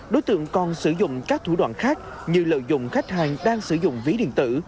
đối tượng còn sử dụng các thủ đoạn khác như lợi dụng khách hàng đang sử dụng ví điện tử